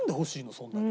そんなに。